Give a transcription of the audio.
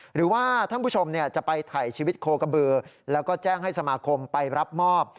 หรือว่าท่านผู้ชมจะไปถ่ายชีวิตโคกระบือแล้วก็แจ้งให้สมาคมไปรับมอบ